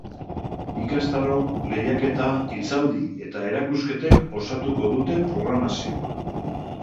Ikastaro, lehiaketa, hitzaldi eta erakusketek osatuko dute programazioa.